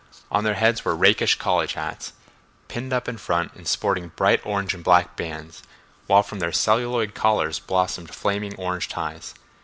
On their heads were rakish college hats, pinned up in front and sporting bright orange and black bands, while from their celluloid collars blossomed flaming orange ties.